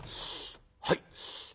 「はい。